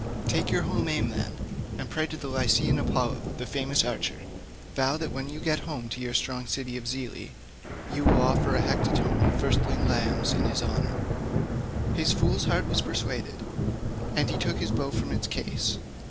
Take your home aim then, and pray to Lycian Apollo, the famous archer; vow that when you get home to your strong city of Zelea you will offer a hecatomb of firstling lambs in his honour." His fool's heart was persuaded, and he took his bow from its case.